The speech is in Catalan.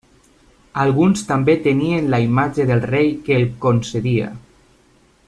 Alguns també tenien la imatge del rei que el concedia.